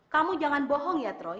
kamu jangan bohong ya troy